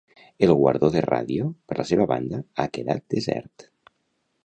El guardó de Ràdio, per la seva banda, ha quedat desert.